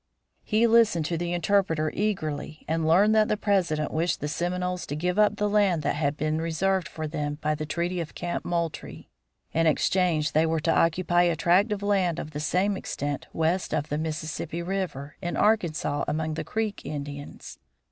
He listened to the interpreter eagerly and learned that the President wished the Seminoles to give up the land that had been reserved for them by the treaty of Camp Moultrie. In exchange they were to occupy a tract of land of the same extent west of the Mississippi River in Arkansas among the Creek Indians.